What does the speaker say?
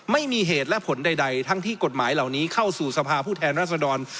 ไม่มีเหตุและผลใดทั้งที่กฎหมายเหล่านี้เข้าสู่สภาพผู้แทนรัศดร